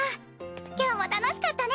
今日も楽しかったね！